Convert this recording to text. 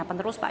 apa terus pak